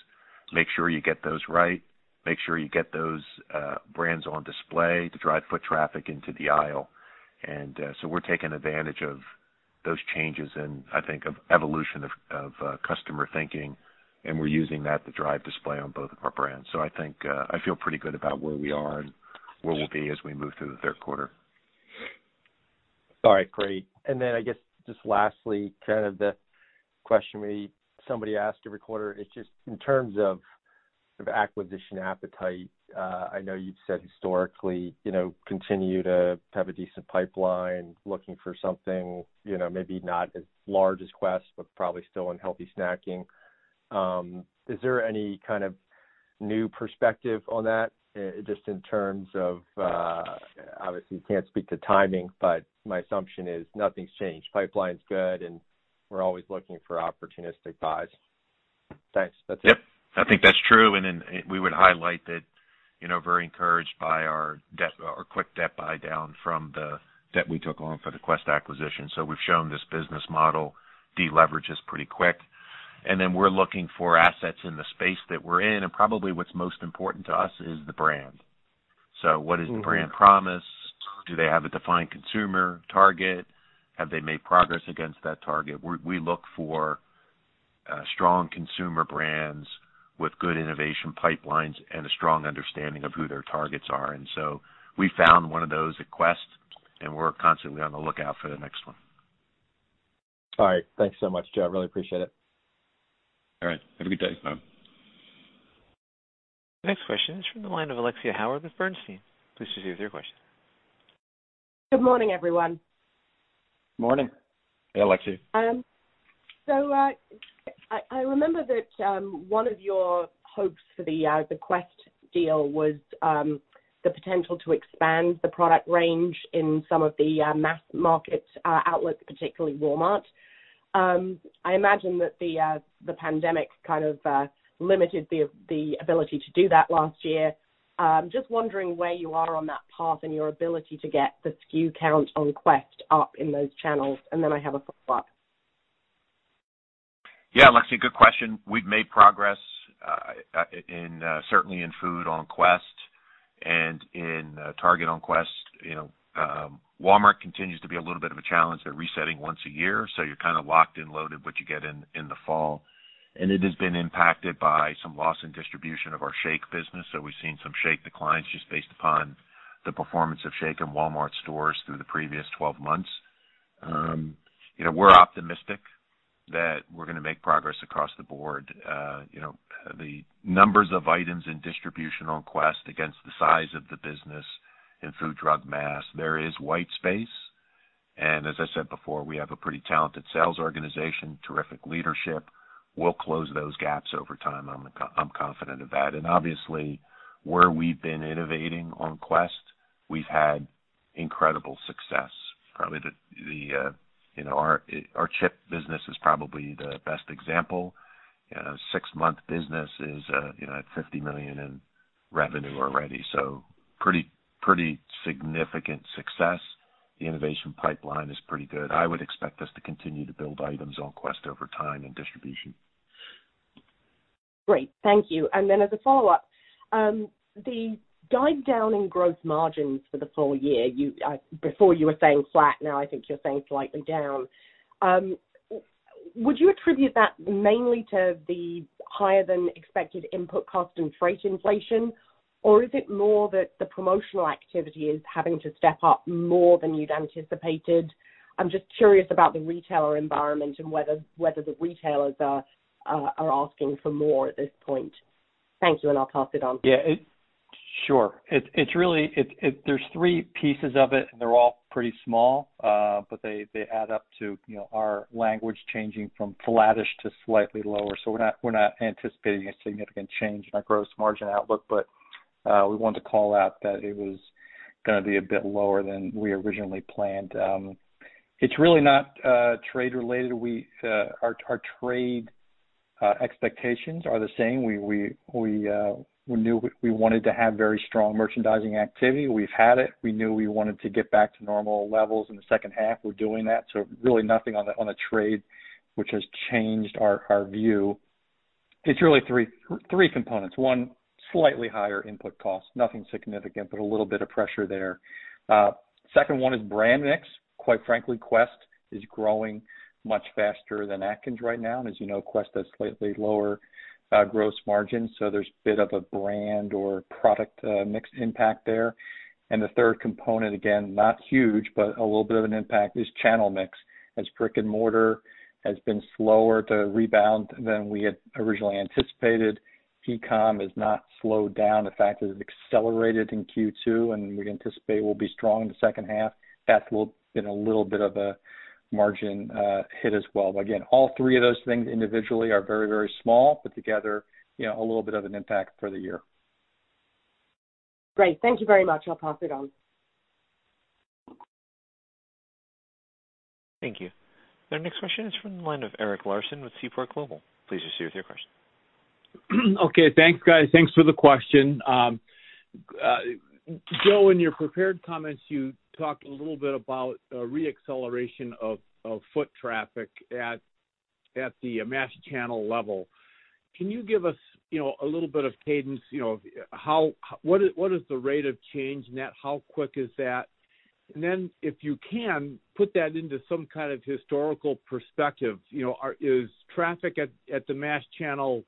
Make sure you get those right. Make sure you get those brands on display to drive foot traffic into the aisle. So we're taking advantage of those changes and I think of evolution of customer thinking, and we're using that to drive display on both of our brands. I think I feel pretty good about where we are and where we'll be as we move through the third quarter. All right, great. I guess just lastly, kind of the question somebody asked every quarter. It's just in terms of acquisition appetite. I know you've said historically continue to have a decent pipeline, looking for something maybe not as large as Quest, but probably still in healthy snacking. Is there any kind of new perspective on that just in terms of, obviously, you can't speak to timing, but my assumption is nothing's changed. Pipeline's good, and we're always looking for opportunistic buys. Thanks. That's it. Yep. I think that's true. We would highlight that very encouraged by our quick debt buy-down from the debt we took on for the Quest acquisition. We've shown this business model deleverages pretty quick. We're looking for assets in the space that we're in. Probably what's most important to us is the brand. What is the brand promise? Do they have a defined consumer target? Have they made progress against that target? We look for strong consumer brands with good innovation pipelines and a strong understanding of who their targets are. We found one of those at Quest, and we're constantly on the lookout for the next one. All right. Thanks so much, Joe. I really appreciate it. All right. Have a good day. Bye. Next question is from the line of Alexia Howard with Bernstein. Please proceed with your question. Good morning, everyone. Morning. Hey, Alexia. I remember that one of your hopes for the Quest deal was the potential to expand the product range in some of the mass market outlets, particularly Walmart. I imagine that the pandemic kind of limited the ability to do that last year. Just wondering where you are on that path and your ability to get the SKU count on Quest up in those channels. I have a follow-up. Yeah, Alexia, good question. We've made progress, certainly in food on Quest and in Target on Quest. Walmart continues to be a little bit of a challenge. They're resetting once a year, you're kind of locked and loaded what you get in the fall. It has been impacted by some loss in distribution of our shake business. We've seen some shake declines just based upon the performance of shake in Walmart stores through the previous 12 months. We're optimistic that we're going to make progress across the board. The numbers of items in distribution on Quest against the size of the business in food, drug, mass, there is white space. As I said before, we have a pretty talented sales organization, terrific leadership. We'll close those gaps over time, I'm confident of that. Obviously, where we've been innovating on Quest, we've had incredible success. Our chip business is probably the best example. Six-month business is at $50 million in revenue already. Pretty significant success. The innovation pipeline is pretty good. I would expect us to continue to build items on Quest over time and distribution. Great. Thank you. As a follow-up, the dive down in gross margins for the full year, before you were saying flat, now I think you're saying slightly down. Would you attribute that mainly to the higher than expected input cost and freight inflation, or is it more that the promotional activity is having to step up more than you'd anticipated? I'm just curious about the retailer environment and whether the retailers are asking for more at this point. Thank you, and I'll pass it on. Yeah. Sure. There's three pieces of it, and they're all pretty small. They add up to our language changing from flattish to slightly lower. We're not anticipating a significant change in our gross margin outlook, but we wanted to call out that it was gonna be a bit lower than we originally planned. It's really not trade-related. Our trade expectations are the same. We knew we wanted to have very strong merchandising activity. We've had it. We knew we wanted to get back to normal levels in the second half. We're doing that, so really nothing on the trade which has changed our view. It's really three components. One, slightly higher input cost. Nothing significant, but a little bit of pressure there. Second one is brand mix. Quite frankly, Quest is growing much faster than Atkins right now. As you know, Quest has slightly lower gross margin, so there's a bit of a brand or product mix impact there. The third component, again, not huge, but a little bit of an impact, is channel mix, as brick and mortar has been slower to rebound than we had originally anticipated. E-com has not slowed down. In fact, it has accelerated in Q2, and we anticipate will be strong in the second half. That's been a little bit of a margin hit as well. Again, all three of those things individually are very small, but together, a little bit of an impact for the year. Great. Thank you very much. I'll pass it on. Thank you. Our next question is from the line of Eric Larson with Seaport Global. Please proceed with your question. Okay. Thanks, guys. Thanks for the question. Joe, in your prepared comments, you talked a little bit about re-acceleration of foot traffic at the mass channel level. Can you give us a little bit of cadence? What is the rate of change net? How quick is that? Then, if you can, put that into some kind of historical perspective. Is traffic at the mass channel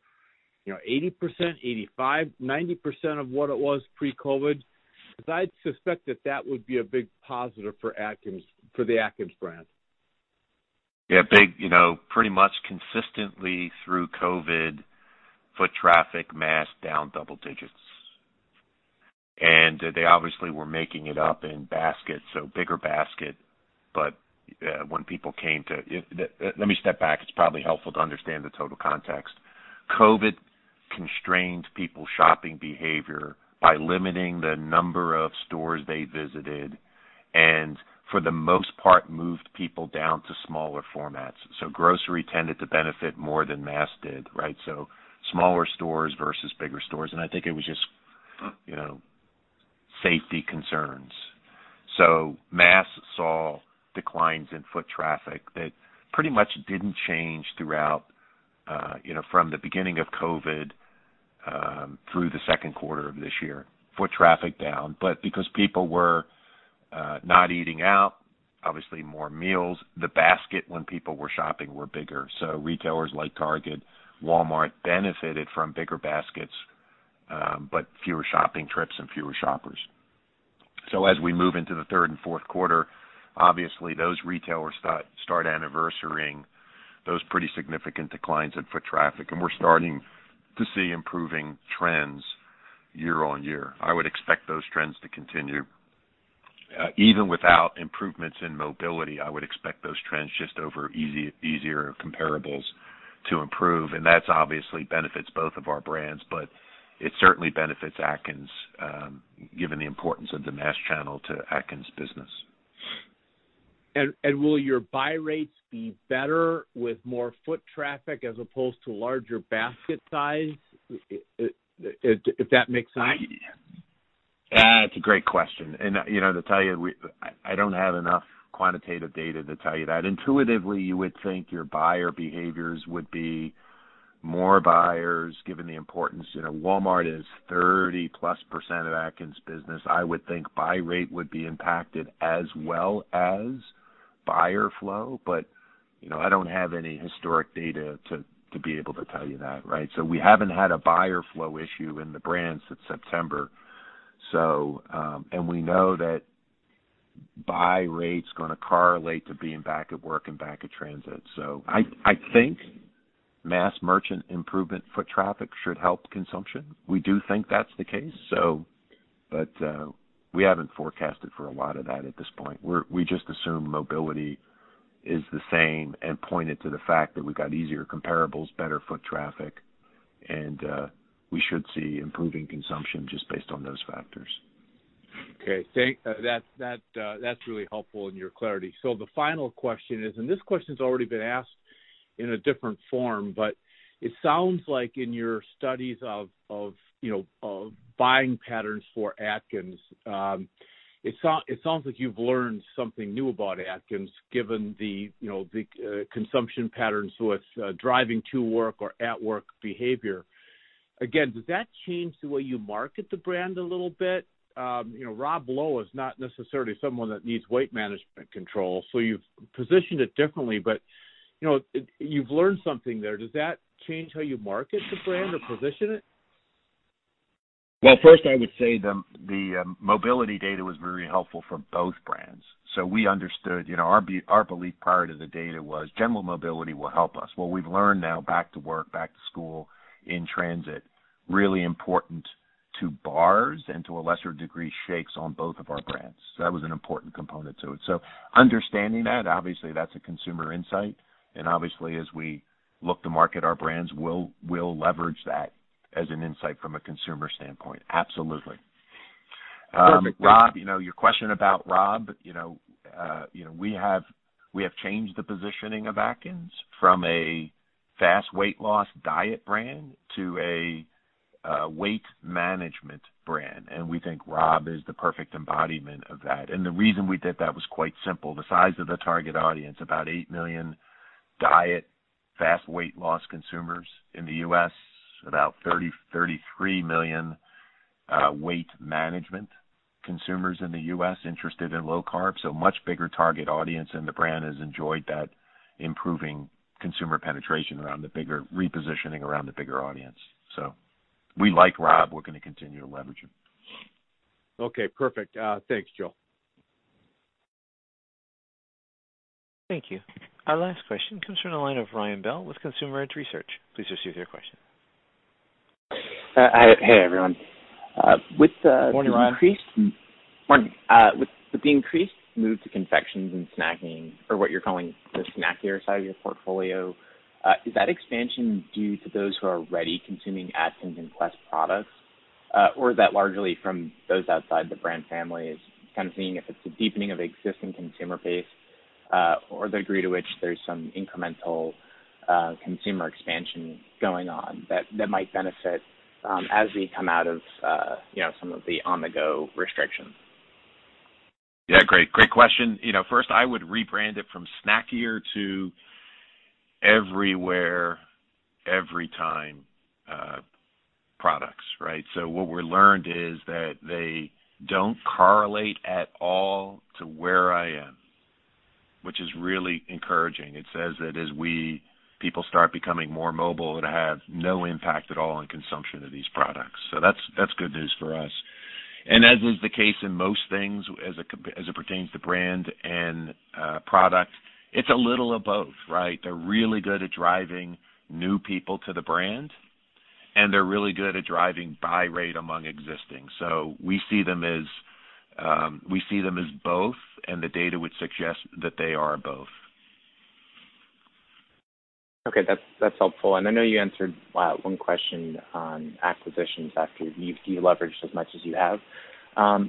80%, 85%, 90% of what it was pre-COVID? Because I'd suspect that that would be a big positive for the Atkins brand. Yeah. Pretty much consistently through COVID, foot traffic mass down double digits. They obviously were making it up in baskets, so bigger basket. Let me step back. It's probably helpful to understand the total context. COVID constrained people's shopping behavior by limiting the number of stores they visited, and for the most part, moved people down to smaller formats. Grocery tended to benefit more than mass did, right? Smaller stores versus bigger stores. I think it was just safety concerns. Mass saw declines in foot traffic that pretty much didn't change throughout, from the beginning of COVID, through the second quarter of this year. Foot traffic down. Because people were not eating out, obviously more meals, the basket when people were shopping were bigger. Retailers like Target, Walmart benefited from bigger baskets, but fewer shopping trips and fewer shoppers. As we move into the third and fourth quarter. Obviously, those retailers start anniversarying those pretty significant declines in foot traffic, and we're starting to see improving trends year-over-year. I would expect those trends to continue. Even without improvements in mobility, I would expect those trends just over easier comparables to improve. That obviously benefits both of our brands, but it certainly benefits Atkins, given the importance of the mass channel to Atkins business. Will your buy rates be better with more foot traffic as opposed to larger basket size? If that makes sense. That's a great question. To tell you, I don't have enough quantitative data to tell you that. Intuitively, you would think your buyer behaviors would be more buyers, given the importance. Walmart is 30-plus% of Atkins business. I would think buy rate would be impacted as well as buyer flow. I don't have any historic data to be able to tell you that, right? We haven't had a buyer flow issue in the brand since September. We know that buy rate's going to correlate to being back at work and back at transit. I think mass merchant improvement foot traffic should help consumption. We do think that's the case. We haven't forecasted for a lot of that at this point. We just assume mobility is the same and point it to the fact that we've got easier comparables, better foot traffic, and we should see improving consumption just based on those factors. Okay. That's really helpful in your clarity. The final question is, and this question's already been asked in a different form, but it sounds like in your studies of buying patterns for Atkins, it sounds like you've learned something new about Atkins given the consumption patterns with driving to work or at work behavior. Does that change the way you market the brand a little bit? Rob Lowe is not necessarily someone that needs weight management control, so you've positioned it differently, but you've learned something there. Does that change how you market the brand or position it? First I would say the mobility data was very helpful for both brands. We understood, our belief prior to the data was general mobility will help us. What we've learned now, back to work, back to school, in transit, really important to bars and to a lesser degree shakes on both of our brands. That was an important component to it. Understanding that, obviously that's a consumer insight, and obviously as we look to market our brands, we'll leverage that as an insight from a consumer standpoint. Absolutely. Perfect. Thanks. Rob, your question about Rob, we have changed the positioning of Atkins from a fast weight loss diet brand to a weight management brand, and we think Rob is the perfect embodiment of that. The reason we did that was quite simple. The size of the target audience, about 8 million diet fast weight loss consumers in the U.S., about 33 million weight management consumers in the U.S. interested in low carb. Much bigger target audience, and the brand has enjoyed that improving consumer penetration around the bigger repositioning around the bigger audience. We like Rob. We're going to continue to leverage him. Okay, perfect. Thanks, Joe Scalzo. Thank you. Our last question comes from the line of Ryan Bell with Consumer Edge Research. Please proceed with your question. Hey, everyone. Morning, Ryan. Morning. With the increased move to confections and snacking, or what you're calling the snackier side of your portfolio, is that expansion due to those who are already consuming Atkins and Quest products? Is that largely from those outside the brand families? Kind of seeing if it's a deepening of existing consumer base, or the degree to which there's some incremental consumer expansion going on that might benefit as we come out of some of the on-the-go restrictions. Yeah. Great question. First I would rebrand it from snackier to everywhere, every time products, right? What we learned is that they don't correlate at all to where I am, which is really encouraging. It says that as people start becoming more mobile, it'll have no impact at all on consumption of these products. That's good news for us. As is the case in most things, as it pertains to brand and product, it's a little of both, right? They're really good at driving new people to the brand, and they're really good at driving buy rate among existing. We see them as both, and the data would suggest that they are both. Okay. That's helpful. I know you answered one question on acquisitions after you leveraged as much as you have.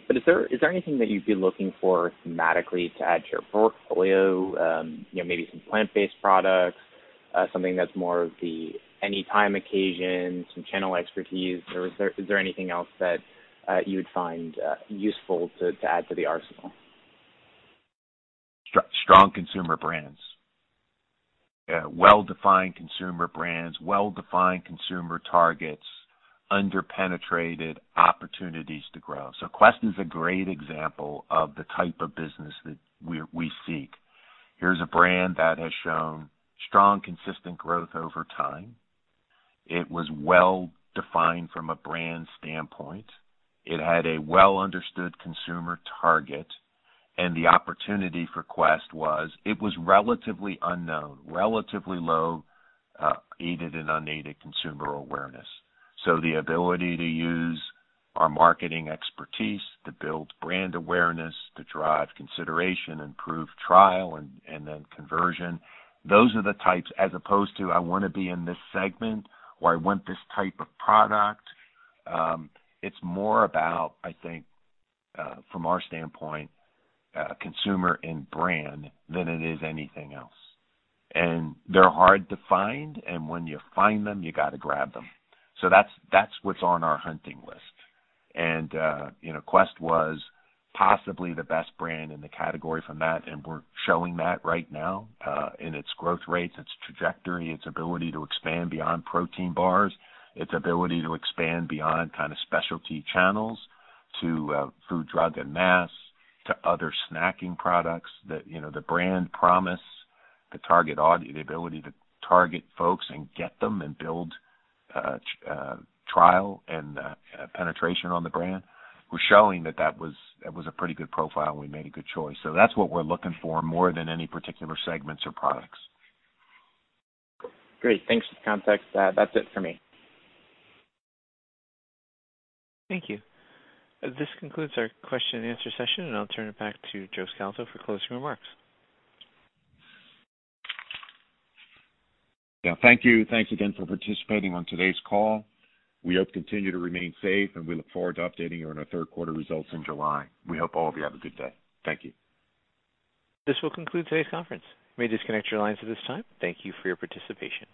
Is there anything that you'd be looking for thematically to add to your portfolio? Maybe some plant-based products, something that's more of the anytime occasion, some channel expertise, or is there anything else that you would find useful to add to the arsenal? Strong consumer brands. Well-defined consumer brands, well-defined consumer targets, under-penetrated opportunities to grow. Quest is a great example of the type of business that we seek. Here's a brand that has shown strong, consistent growth over time. It was well-defined from a brand standpoint. It had a well-understood consumer target, and the opportunity for Quest was it was relatively unknown, relatively low aided and unaided consumer awareness. The ability to use our marketing expertise to build brand awareness, to drive consideration, improve trial, and then conversion. Those are the types, as opposed to, I want to be in this segment or I want this type of product. It's more about, I think, from our standpoint, consumer and brand than it is anything else. They're hard to find, and when you find them, you got to grab them. That's what's on our hunting list. Quest was possibly the best brand in the category from that, and we're showing that right now in its growth rates, its trajectory, its ability to expand beyond protein bars, its ability to expand beyond kind of specialty channels to food, drug, and mass, to other snacking products that the brand promise, the target audience, the ability to target folks and get them and build trial and penetration on the brand. We're showing that was a pretty good profile, and we made a good choice. That's what we're looking for more than any particular segments or products. Great. Thanks for the context. That's it for me. Thank you. This concludes our question and answer session, and I'll turn it back to Joe Scalzo for closing remarks. Yeah, thank you. Thanks again for participating on today's call. We hope you continue to remain safe, and we look forward to updating you on our third quarter results in July. We hope all of you have a good day. Thank you. This will conclude today's conference. You may disconnect your lines at this time. Thank you for your participation.